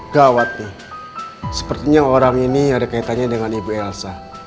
gawat nih sepertinya orang ini ada kaitannya dengan ibu elsa